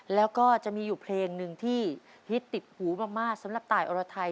แล้วก็จะมีอยู่เพลงหนึ่งที่ฮิตติดหูมากสำหรับตายอรไทย